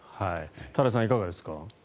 多田さん、いかがですか？